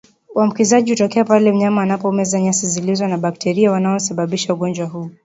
Uambukizaji hutokea pale mnyama anapomeza nyasi zilizo na bakteria wanaosababisha ugonjwa huu